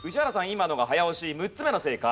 今のが早押し６つ目の正解。